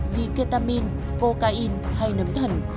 vitamin cocaine hay nấm thần